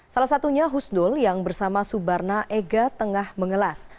salah satunya husnul yang bersama subarna ega tengah mengelas